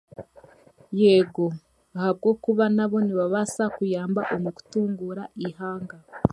Yeego ahabwokuba n'abo nibabaasa kuyamba omu kutunguura eihanga